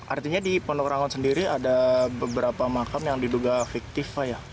artinya di pondok rangun sendiri ada beberapa makam yang diduga fiktif